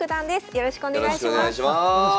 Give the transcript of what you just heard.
よろしくお願いします。